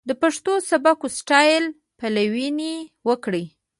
د پښتو سبک و سټايل پليوني وکړي.